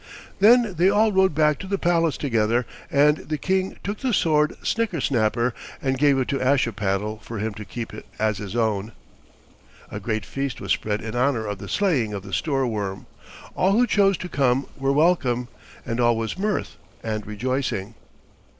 Then they all rode back to the palace together, and the King took the sword Snickersnapper and gave it to Ashipattle for him to keep as his own. A great feast was spread in honor of the slaying of the Stoorworm. All who chose to come were welcome, and all was mirth and rejoicing.